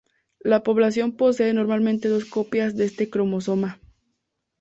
La población posee normalmente dos copias de este cromosoma.